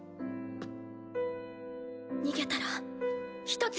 逃げたら１つ。